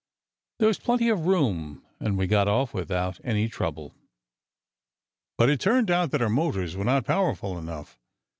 There was plenty of room and we got off without any trouble. "But it turned out that our motors were not powerful enough.